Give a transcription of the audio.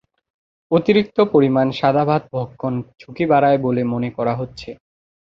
অতিরিক্ত পরিমাণ সাদা ভাত ভক্ষণ ঝুঁকি বাড়ায় বলে মনে করা হচ্ছে।